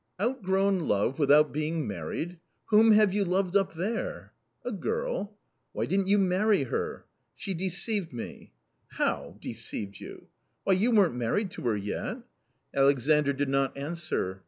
" Outgrown love without being married ? Whom have you loved up there ?"" A girL" " Why didn't you marry her ?"" She deceived me." " How, deceived you ? Why, you weren't married to her yet?" Alexandr did not answer.